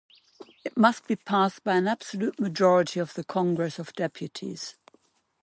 It must be passed by an absolute majority of the Congress of Deputies.